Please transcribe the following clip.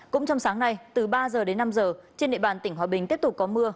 cũng trong sáng nay từ ba giờ đến năm giờ trên địa bàn tỉnh hòa bình tiếp tục có mưa